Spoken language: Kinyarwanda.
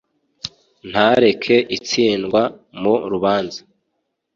ntareke itsindwa mu rubanza